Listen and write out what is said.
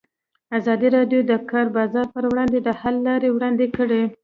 ازادي راډیو د د کار بازار پر وړاندې د حل لارې وړاندې کړي.